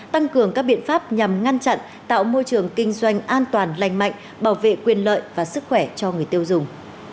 tăng cường các biện pháp nhằm ngăn chặn tạo môi trường kinh doanh an toàn lành mạnh bảo vệ quyền lợi và sức khỏe cho người tiêu dùng